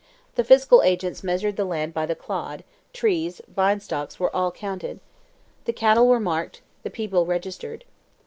The fiscal agents measured the land by the clod; trees, vinestalks, were all counted. The cattle were marked; the people registered.